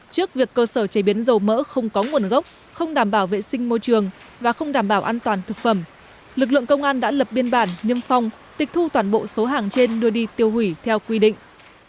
trước việc cơ sở chế biến dầu mỡ không có nguồn gốc không đảm bảo vệ sinh môi trường và không đảm bảo an toàn thực phẩm lực lượng công an đã lập biên bản niêm phong tịch thu toàn bộ số hàng trên đưa đi tiêu hủy theo quy định